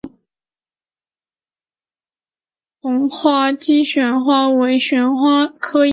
红花姬旋花为旋花科菜栾藤属下的一个种。